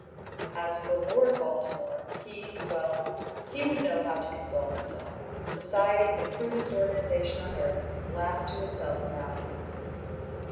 As for Lord Baltimore, he well, he would know how to console himself. Society, the crudest organization on earth, laughed to itself about him.